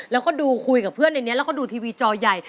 แล้วก็ดูคุยกับเพื่อนในนี้แล้วก็ดูทีวีจอใหญ่